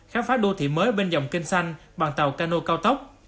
khám phá đô thị mới bên dòng kênh xanh bằng tàu cano cao tốc